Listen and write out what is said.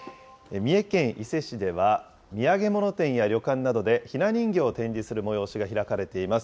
三重県伊勢市では、土産物店や旅館などでひな人形を展示する催しが開かれています。